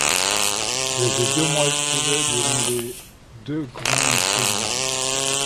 Il a été durement éprouvé durant les deux grandes guerres.